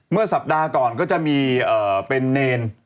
เมื่อสัปดาห์ก่อนก็จะมีเป็นเนร